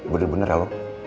bener bener ya lo